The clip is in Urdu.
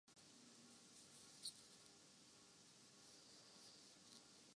اور بھی ہیں جو مل کر بھی پاکستانی ٹیم کو مشکلات سے نہیں نکال پاتے ۔